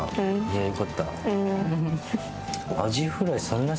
いやよかった。